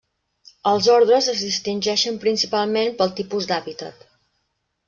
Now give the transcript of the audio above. Els ordres es distingeixen principalment pel tipus d'hàbitat.